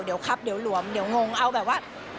เดี๋ยวครับเดี๋ยวหลวมเดี๋ยวงงเอาแบบว่า